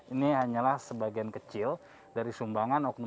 ini hanyalah sebagian kecil dari sumbangan okno manusia